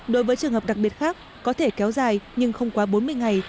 đối với trường hợp đặc biệt khác có thể kéo dài nhưng không quá bốn mươi ngày